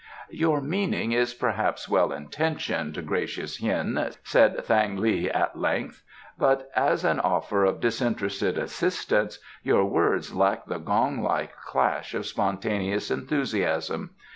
"Your meaning is perhaps well intentioned, gracious Hien," said Thang li at length, "but as an offer of disinterested assistance your words lack the gong like clash of spontaneous enthusiasm.